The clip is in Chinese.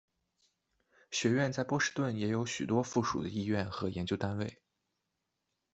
学院在波士顿也有许多附属的医院和研究单位。